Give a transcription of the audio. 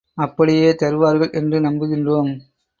அப்படியே தருவார்கள் என்று நம்புகின்றோம்.